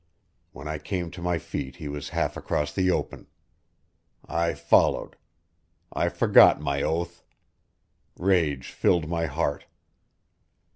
When I came to my feet he was half across the open; I followed. I forgot my oath. Rage filled my heart.